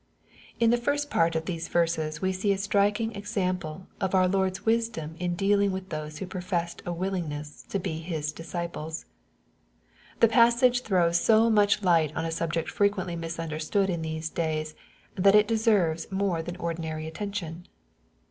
In the first part of these verses we see a striking example of <mr Lord's vnsdom in dealing with those who professed a willingness to he His disciples. The passage throws so much light on a subject frequently misunderstood in these days, that it deserves more than ordinary attention.